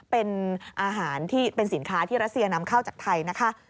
เป็นอาหารที่เป็นสินค้าที่รัสเซียนำเข้าจากไทยนะคะ